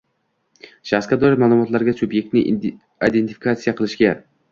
Shaxsga doir ma’lumotlarga subyektni identifikatsiya qilishga